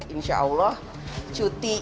insya allah cuti ini akan menjadi sebuah kemampuan